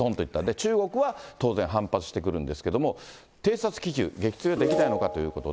中国は当然反発してくるんですけど、偵察気球、撃墜はできないのかということで。